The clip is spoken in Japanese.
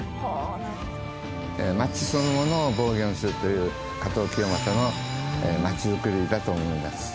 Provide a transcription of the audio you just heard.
町そのものを防御にするという加藤清正の町づくりだと思います。